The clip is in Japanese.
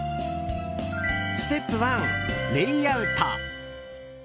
ステップ１、レイアウト。